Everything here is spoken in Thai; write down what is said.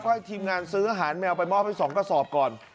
ให้ทีมงานซื้ออาหารแมวไปมอบให้๒กระสอบก่อน